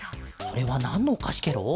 それはなんのおかしケロ？